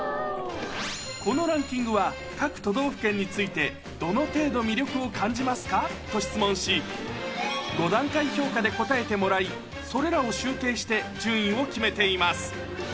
このランキングは、各都道府県について、どの程度魅力を感じますかと質問し、５段階評価で答えてもらい、それらを集計して順位を決めています。